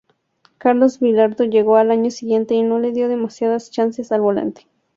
Carlos Bilardo llegó al año siguiente y no le dio demasiadas chances al volante.